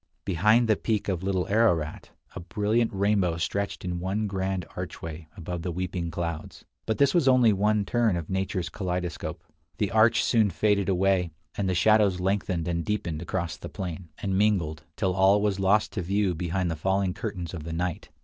Behind the peak of Little Ararat a brilliant rainbow stretched in one grand archway above the weeping clouds. But this was only one turn of nature's kaleidoscope. The arch soon faded away, and the shadows lengthened and deepened across the plain, and mingled, till all was lost to view behind the falling curtains of the night.